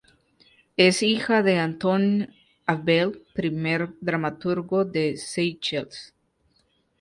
Es hija de Antoine Abel, primer dramaturgo de Seychelles.